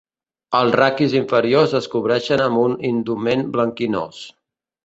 Els raquis inferiors es cobreixen amb un indument blanquinós.